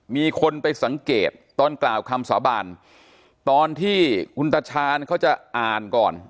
มีคนไปสังเกตตอนกล่าวคำสาบานตอนที่คุณตาชาญเขาจะอ่านก่อน